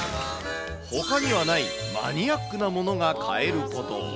ほかにはないマニアックなものが買えること。